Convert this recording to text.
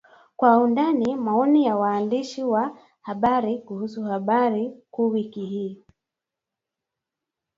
Kwa undani Maoni ya waandishi wa habari kuhusu habari kuu wiki hii